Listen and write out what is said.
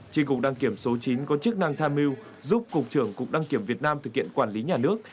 tri cục đăng kiểm số chín có chức năng tham mưu giúp cục trưởng cục đăng kiểm việt nam thực hiện quản lý nhà nước